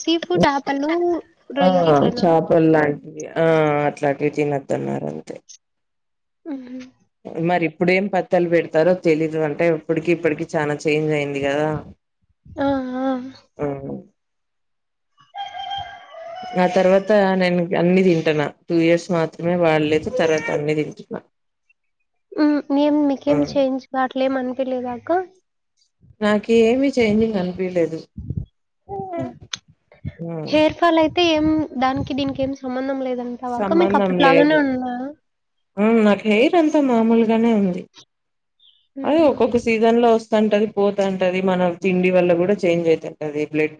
Sea food చాపలు రొయ్యాలు ఇట్లనా కొల్లాంటిది ఆ అట్లాటివి తినొద్దన్నారు అంతే ఆహా మరి ఇప్పుడేం పత్తాలు పెడతారో తెలీదు అంటే అప్పటికి ఇప్పటికి చానా చేంజ్ అయింది కదా ఆ! ఆ! ఆహ్ ఆ తర్వాత నేను అన్ని తింటున్నా టూ ఇయర్స్ మాత్రమే వాలేదు తర్వాత అన్ని తింటున్నా ఉమ్ నేం మీకేం చేంజ్ గా అట్లేం అనిపిలేదాక్క నాక్ ఏమి చేంజింగ్ అనిపిలేదు హేర్ హ్మ్. [unintelligible] వాళ్ళయితే ఏం దానికి దీనికి ఏం సంబంధం లేదంటావాక్క మీకు అప్పట్లాగానే ఉన్నా ఉమ్ నాకు హెయిర్ అంతా మామూలుగానే ఉంది అదే హుహు. ఒక్కొక్కసా సీజన్ లో వొస్తాంటది పోతాంటది మనం తిండి వల్ల కూడా చేంజ్ అయితాంటది బ్లడ్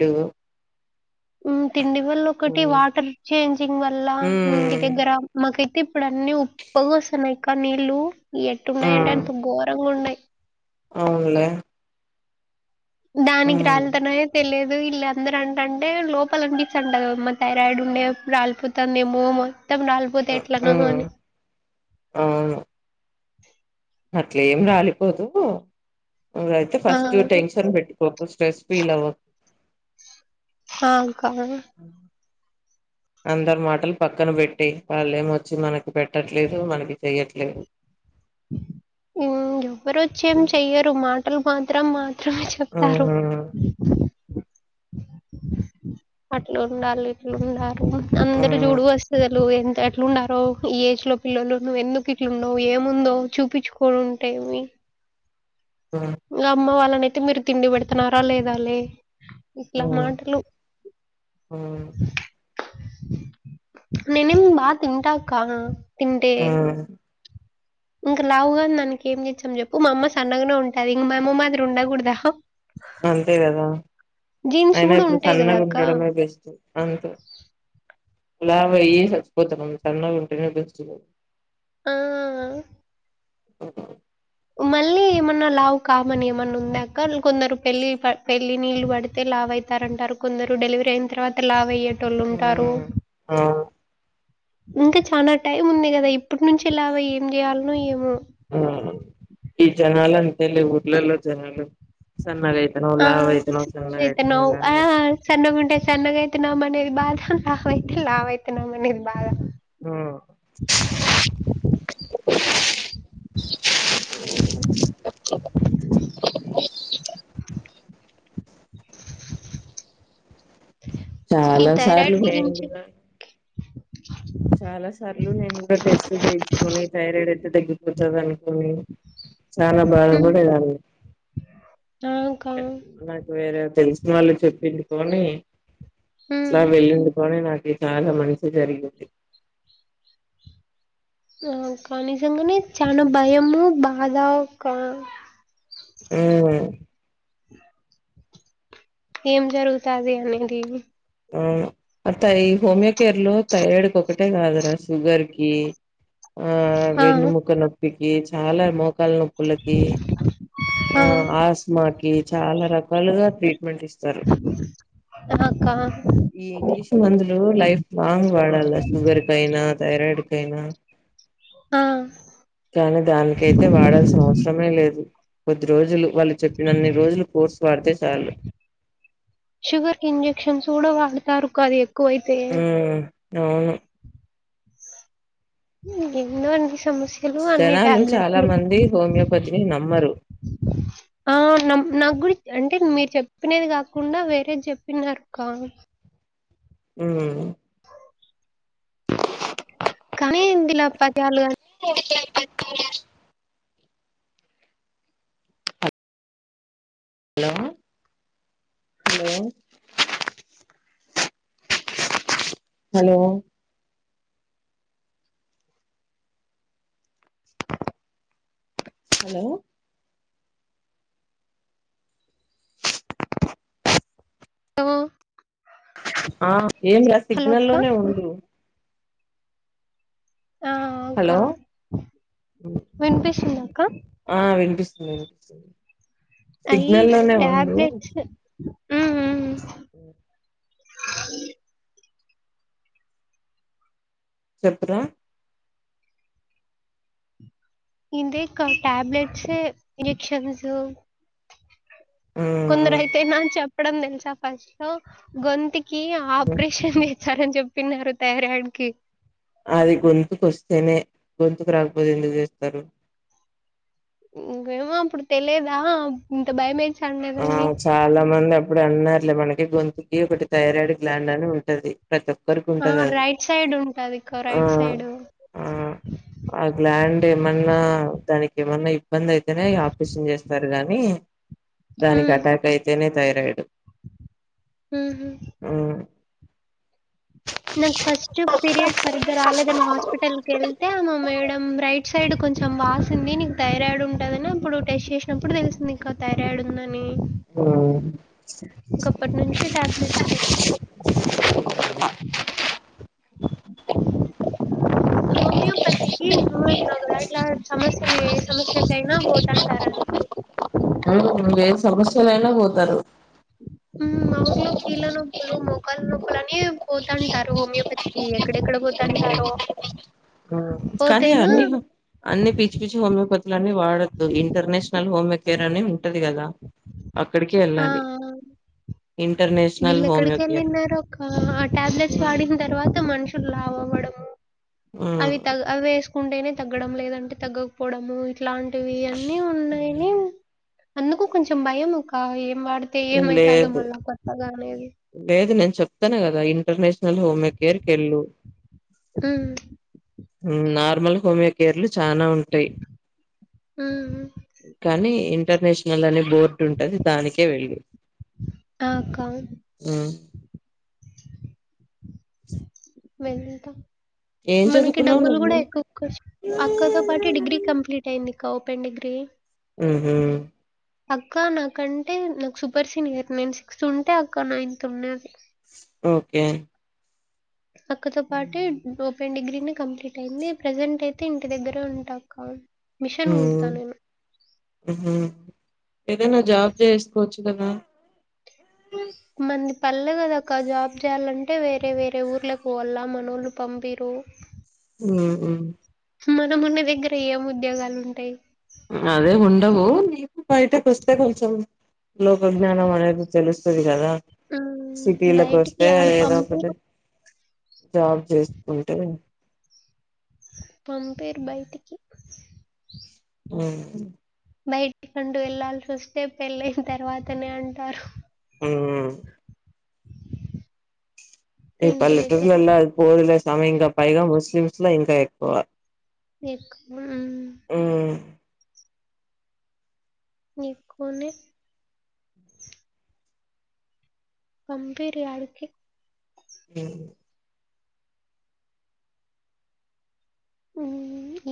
ఉమ్ తిండి వల్ల ఒకటి వాటర్ చేంజింగ్ వల్ల ఇంటి మ్మ్ దగ్గర మాకైతే ఇప్పుడు అన్ని ఉప్పగా వస్తున్నాయి అక్క నీళ్ళు ఎట్టున్నాయ అంటే ఉమ్ అంత ఘోరంగా ఉన్నాయి అవునులే దానికి ఉమ్ రాళ్తన్నాయి తెలియదు ఈళ్ళందరూ అంటంటే లోపల అనిపిస్తుంటదమ్మా థైరాయిడ్ ఉండే రాలిపోతంద ఏమో మొత్తం రాలిపోతే ఎట్లానో ఉమ్ అని అవును అట్లేఏం రాలిపోదు ఇంగయితే ఆ ఫస్ట్ టెన్షన్ పెట్టుకోకు స్ట్రెస్ ఫీల్ అవ్వకు ఆ క్క అందరు మాటలు పక్కన పెట్టి వాళ్లేమొచ్చి మనకి పెట్టట్లేదు మనకి చెయట్లేదు ఉమ్ ఎవ్వరు వచ్చేం ఉమ్ చెయ్యరు మాటలు మాత్రం మాత్రం చే చెప్తారు అట్లు ఉండాలి ఇట్లు ఉండారు ఉమ్ అందరు చూడు వస్త ప్రజలు ఎంత ఎట్లుండారో ఈ ఏజ్ లో పిల్లలు నువ్ ఎందుకు ఇట్లుండవు ఏముందో చూపించు కొన్నుంటేమి హ్మ్ ఇంకా అమ్మ వాళ్ళనైతే మీరు తిండి పెడుతున్నారా లేదా లే ఇట్లా ఉమ్ మాటలు ఉమ్ నేనేం బా తింటాకా తింటే ఉమ్ ఇంకా లావుగాని దానికి ఏం చేచ్చాం చెప్పు మా అమ్మ సన్నగానే ఉంటది ఇంక మైమ్మ మాదిరి ఉండకూడదా అంతే కదా జీన్స్ అయినా గూడా ఇప్పుడు ఉంటాయి గదా సన్నగా అక్క. ఉండడమే బెస్ట్ అంతే లావు అయ్యి చచ్చిపోతారు కొంచెం సన్నగా ఉంటేనే బెస్ట్ ఆ ఓ మళ్ళీ ఏమన్నా లావు కామని ఏమన్నా ఉందా అక్క కొందరు పెళ్లి పెళ్లి నీళ్లు పడితే లావు అయి తంటారు ఉంటారు కొందరు డెలివరీ అయిన తర్వాత లావు అయ్యేటోళ్ళు ఉంటారు ఆ ఇంకా చాలా టైం ఉంది కదా ఇప్పటి నుంచి లావు అయ్యి ఏం చేయాలనో ఏమో ఆ ఈ జనాలు అంతలే ఊర్లలో జనాలు సన్నగా ఆ సన్నగైతనావ్ ఆ లావైతనవ్ సన్నగా ఉంటే సన్నగా అవుతున్నాం అనే బాధ లావు అయితే లావు అవుతున్నాం అనే బాధ ఆ ఈ చాలా సార్లు థైరాయిడ్ గురించి చాలా సార్లు నేను కూడా టెస్ట్లు చేయించుకని థైరాయిడ్ అయితే తగ్గిపోతుంది అనుకోని చాలా బాధ హ్మ్. పడేదాన్ని ఆ! అక్క. వేరే తెలిసిన వాళ్ళు చెప్పింది పోనీ హ్మ్. సరే వెళ్ళు పోనీ నాకి చాలా మంచి జరిగిద్ధి ఆ కానీ నిజంగానే చాలా భయము బాధ ఒక మ్ మ్ ఏం జరుగుతాది అనేది అవును బట్ అది హోమియోకేర్ లో థైరాయిడ్ కి ఒకటే కాదురా షుగర్ కి ఆ ఆ! వెన్నుముక్క నొప్పికి చాలా మోకాల నొప్పులకి ఆ ఆస్మాకి చాలా రకాలుగా ట్రీట్మెంట్ ఇస్తారు అక్క ఈ ఇంగ్లీష్ మందులు లైఫ్ లాంగ్ వాడాలి షుగర్ కి అయిన థైరాయిడ్ కి అయిన ఆ! కానీ దానికైతే వాడాల్సిన అవసరమే లేదు కొద్ది రోజులు వాళ్ళు చెప్పిన అన్ని రోజులు కోర్సు వాడితే చాలు షుగర్ ఇంజెక్షన్స్ కూడా వాడతారు కానీ ఎక్కువై మ్ అవును ఎన్నోన్ సమస్ జనాలు చాలా మంది హోమియోపతిని నమ్మరు అవ్ నం నాక్కూడా అంటే మీరు చెప్పినది కాకుండా వేరేది చెప్పినారు కా మ్ హ కానీ ఇందుల [unintelligible] హలో హలో హలో హలో అ ఆ ఏంరా హలో సిగ్నల్ అక్క. లోనే ఉండు ఆ అక్క మ్ వినిపిస్తుందా అక్క? ఆ వినిపిస్తుంది వినిపిస్తుంది అయి సిగ్నల్ లోనే ఉండు ట్యాబ్లేెట్స్ మ్ మ్ చెప్పురా అదే అక్క ట్యాబ్లెట్స్ ఇంజెక్షన్స్ కొందరు మ్మ్ అయితే నాకు చెప్పడం తెలుసా ఫస్ట్ లో గొంతుకి ఆపరేషన్ సరు అని చెప్పినారు థైరాయిడ్ కి అది గొంతుకు వస్తేనే గొంతుకు రాకపోతే ఎందుకు చేస్తారు ఏమో అప్పుడు తెలియదా ఇంత ఆ భయమేస్తాదని చాలా మంది అప్పుడు అన్నారులే మనకి గొంతుకి ఒకటి థైరాయిడ్ గ్లాంద్ అని ఉంటది ప్రతి ఒక్కరికి ఆ ఉంటది అది రైట్ సైడ్ ఉంటది క ఆ రైట్ సైడ్ ఆ ఆ్ల్యాండ్ ఏమన్నా దానికి ఏమన్నా ఇబ్ బ్బంది ఇగ అయితేనే ఆపరేషన్ చేస్తారు గాని దానికి హ్మ్ అటాక్ అయితేనే థైరాయిడ్ హుహు. మ్ నా ఫస్ట్ పీరియడ్ సరిగ్ారులేద నా హాస్పిటల్ వెళ్తే మా మేడం రైట్ సైడ్ కొంచెం వాసింది నీకు థైరాయిడ్ ఉంటుందని అప్పుడు టెస్ట్ చేసినప్పుడు తెలిసింది ఇంకా థైరాయిడ్ ఉందని మ్ కంప్పటి నుంచి టాబ్లెట్స్ [inaudible] ఓమియం పతికి [inaudible] అట్లా సమస్యలు ఏ సమస్యకైనా పోతాంటారు అని ఆ ఏ సమస్యలు అయినా పోతారు ఉమ్ మా ఊర్లో కీళ్ళ నొప్పులు మొకాళ్ళ నొప్పులు అని పోతాంటారు హోమియోప ఈ ఎక్కడెక్కడ పోతాంటారో ఆ కానీ అన్నీ నూ అన్ని పిచ్చి పిచ్చి హోమియోపతిలు అన్నీ వాడొద్దు ఇంటర్నేషనల్ హోమియో కేేర్ అని ఉంటది కదా అక్కడికే ఎళ్ళాలి హోమియో వీళ్ళెక్కడికి కేర్ ఎళ్ళిన్నారు అక్క ఆ టాబ్లెట్స్ వాడింట తర్వాత మనుషులు లావు అవ్వడము అవి తవ్ అవి వేస్ కుంటేనే తగ్గడం లేదంటే తగ్గకపోవడము ఇట్లాంటివి అన్నీ ఉన్నాయని అందుకు కొంచెం భయం అక్క ఏం వాడితే ఏమైతాదో లేదు మళ్ళా కొత్తగా అనేది లేదు నేను చెప్తానా కదా ఇంటర్నేషనల్ హోమియో కేేర్ కెళ్ళు ఉమ్ ఊ నార్మల్ హోమియోకేర్ లు చానా ఉం ఊ ఊ కానీ ఇంటర్నేషనల్ అనే బోర్డు ఉంటది దానికే వెళ్ళు ఆ అక్క ఊ వెళ్తా ఏం మనకి చదువుకున్నావు డబ్బులు నువ్వు కూడా ఎక్కువ ఖర్చు అక్కతో పాటీ డిగ్రీ కంప్లీ టయ్యింది కా ఓపెన్ డిగ్రీ ఊహూ అక్క నాకంటే నాకు సూపర్ సీనియర్ నేను సిక్స్త్ ఉంటే అక్క నైన్త్ ఉండేది ఓకే అక్కతో పాటి ఓ పెన్ డిగ్రీని కంప్లీట్ అయ్యింది ప్రెజెంట్ అయితే ఇంటి దగ్గరే ఉంటా అక్క మిషన్ ఊ కుడతా నేను. ఊహూ ఏదైనా జాబ్ చేసుకోవచ్చు కదా మంది పల్లె కదక్కా జాబ్ చేయాలంటే వేరే వేరే ఊర్లకి పోవల్ల మనోళ్ళు పంపీరు ఊ ఊ మనం ఉన్న దగ్గర ఏం ఉద్యోగాలు ఉంటాయి అదే ఉండవు నీకూ బయటకి వస్తే కొంచెం లోక జ్ఞానం అనేది తెలుస్తుది కదా హ్మ్. సిటీలకు బయటికి వస్తే యాడ ఏదో ఒకటి పంపిరు జాబ్ చేసుకుంటే పంపీరు బయటికి అవును బయటికి అంటూ వెళ్లాల్సి వస్తే పెళ్ళయిన తర్వాతనే అంటారు ఊ ఈ ఇంటి దగ్గరే పల్లెటూర్లుల్లా అది పోదులే సామీ ఇంకా పైగా ముస్లిమ్స్ లో ఇంకా ఎక్కువ ఎక్ మా ఊ నీకూ నే పంపీరు యాడికీ ఏ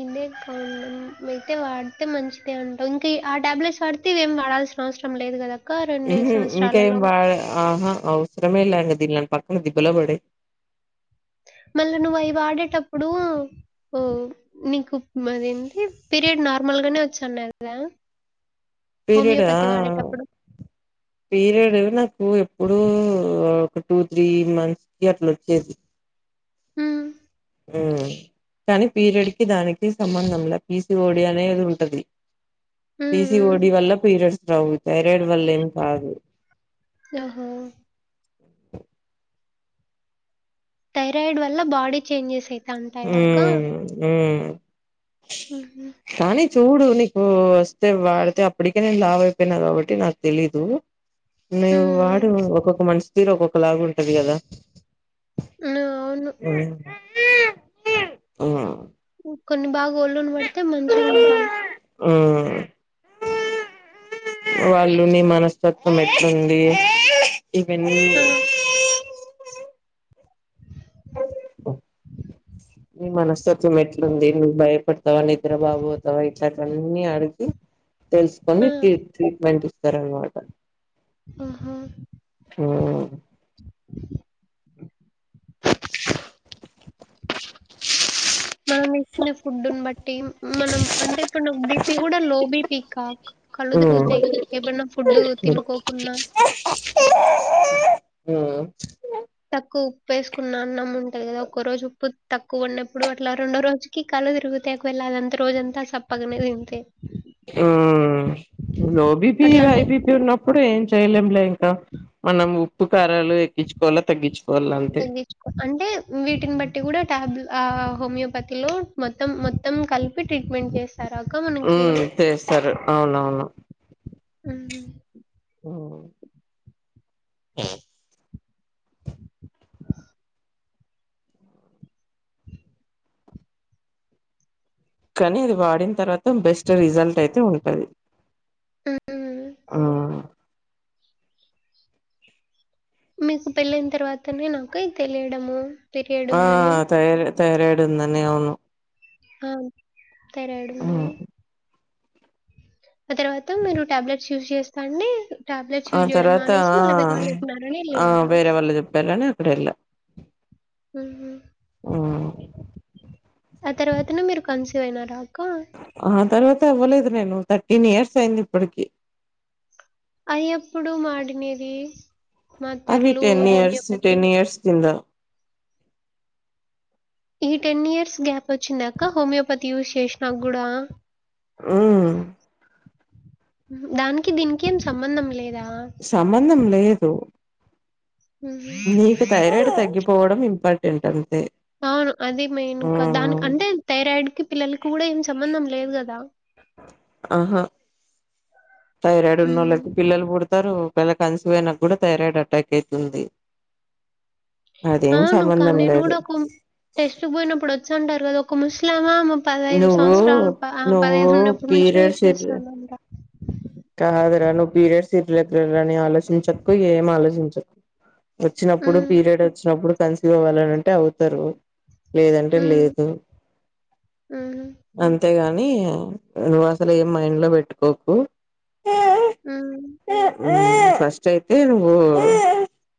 ఉ దే కా అయితే వాడితే మంచిదే అంటాం ఇంకా ఆ టాబ్లెట్స్ వాడితేవేం వాడాల్సిన అవసరం లేదు కదా ఇంకా వా ఆహా అవసరమేలా క దీ నని పక్కన దిబ్బలోబడే మళ్ళీ నువ్వు అవి వాడేటప్పుడు ఓ నీకు అదేంటి పీరియడ్ నార్మల్గానే వచ్చిన్న కదా పీరియడా? హోమయోపతి వాడేటాప్పుడు పీరియడ్ నాకు ఎప్పుడుూ ఒక టూ త్రీ మంత్స్ కి అట్లా వచ్చేది ఉ ఉ కానీ పీరియడ్ కి దానికి సంబంధం లే పీసి ఓడి అనేది ఉంటది హ్మ్. పీసి హ్మ్. ఓడి వల్ల పీరియడ్స్ రావు థైరాయిడ్ వల్ల ఏం కాదు ఓహో థైరాయిడ్ వల్ల బాడీ చేంజెస్ అయి ఉ ఉ ఉహు కానీ చూడు నీకు వస్తే వాడితే అప్పటికే నేను లాభ అయిపోయినా కాబట్టి నాకు తెలీదు నువు హ్మ్. వాడు ఒక్కొక్క మనిషి తీరు ఒక్కొక్క లాగు ఉంటది కదా హ్మ్. అవును. ఉ ఉ కొన్ని బాగా ఒళ్ళును పడితే మంచిగా ఉంటాం ఉ వాళ్ళుని మనస్తత్వం ఎట్ంది ఇవన్నీ ఆ! నీ మనస్తత్వం ఎట్లుంది నువ్వు భయపడతావా నిద్ర బాగతావా ఇట్లాంటివన్నీ అడిగి తెలుసుకొని ఆ! టీ ట్రీట్మెంట్ ఇస్తారనమాట ఆహా ఉ మనం ఇచ్చనే ఫుడ్డుని బట్టి మనం అంటే ఇప్పుడు బీపీ కూడా లో బీపీ కా కళ్ళు తిరుగుతాయి ఏమన్నా ఫుడ్డు తినుకోకుండా హ తక్కువ ఉప్పు వేసుకున్న అన్నం ఉంటాది కదా ఒకక్క రోజు ఉప్పు తక్కువ ఉన్నప్పుడు అట్లా రెండో రోజు అ కాళ్ళు దిరుగుతతే అక్వళ అదంత రోజంతా సప్పగనే తింతతే ఆ లో బీపీ హై అట్లన్నీ బీపీ ఉన్న అప్పుడు ఏం చెయలేం లే ఇంకా మనం ఉప్పు కారాలు ఎక్కించకోవా తగ్గించు తగ్గి అంటే వీటిని బట్టి కూడా టాబ్ హోమియోపతిలో మొత్తం మొత్తం కల్పి ట్రీట్మెంట్ చేస్తారుా అక్క మనకి ఉమ్ చేస్తారు అవునవును ఉ ఉ ఆ కానీ అది వాడిన తర్వాత బెస్ట్ రిజల్ట్ అయితే ఉంటంది హ్మ్. ఆ మీకు పెళ్ళన తర్వాతనేనా అక్క ఇది తెలియడము పీరియడ్ ఆ ఉందని. తై తైరయిడ్ ఉందని ఆవును అవును థైరాయిడ్ ఉందని ఉమ్ ఆ తర్వాత మీరు టాబ్లెట్స్ యూజ్ చేస్తండి టాబ్లెట్స్ ఆ యూజ్ చేయడం తర్వాత అనేసి మళ్ళా వేరేవాళ్లు చెప్పినారని ఆ వెళ్ళినారా వేరే వాళ్ళు చెప్పారని అప్పుడెళ్ళ మ్ హు ఉమ్ ఆ తర్వాతనే మీరు కన్సీవ్ అయినార అక్క ఆ తర్వాత పోలేదు నేను థర్టీన్ ఇయర్స్ అయింది ఇప్పటికి అయ్యప్పుడు వాడినేది అవి మదర్లు ten years homeopathy? Ten years కొంద ఈ టెన్ ఇయర్స్ గ్యాప్ వచ్చింద అక్క హోమియోపతి యూస్ చేసిన కూడా ఉమ్ దానికి దీనికి ఏం సంబంధం లేదా సంబంధం లేదు హుహు. నీకు థైరాయిడ్ తగ్గిపోవడం ఇంపార్టెంట్ అంటే అవును అది మెయిన్కా దానికి అంటే థైరాయిడ్ కి పిల్లలకి కూడా ఏం సంబంధం లేదు కదా ఆహా థైరయిడ్ హ్మ్. ఉన్నోల్లకి పిల్లలు పుడ్ స్తారు ఒకవేళ కన్సీవ్ అయిన కూడా థైరాయిడ్ అటాక్ అయితుంది అదేం సంబంధం లేదు టెస్ట్ పోయినప్పుడు వచ్చుంటారు కదా ఒక ముస లమే పదహైదు నువ్వు సంవత్సరాలు నువ్వు పదహైదు ఉన్నప్పుడు నుంచి యూజ్ పీరియడ్స్ ఇర్రె చేస్తుందంట కాదురా నువ్వు పీరియడ్స్ ఇర్రెగ్లర్ అని ఆలోచించకు ఏం ఆలోచించక్ వచ్చినప్పుడు హ్మ్. పీరియడ్ వచ్చినప్పుడు కన్సివ్ అవ్వాలనంటే అవుతారు లేదంటే హ్మ్. లేదు హ్మ్. అంతేగాని నువ్వు అసలు ఏం మైండ్ లో పెట్టుకోకు మ్ ఫస్ట్ అయితే నువ్వు